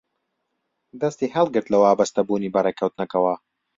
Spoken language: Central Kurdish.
دەستی هەڵگرت لە وابەستەبوونی بە ڕێککەوتنەکەوە